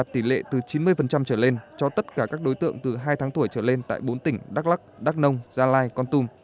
tỷ lệ từ chín mươi trở lên cho tất cả các đối tượng từ hai tháng tuổi trở lên tại bốn tỉnh đắk lắc đắk nông gia lai con tum